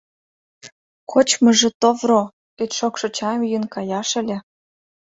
Кочмыжо — товро, кеч шокшо чайым йӱын каяш ыле.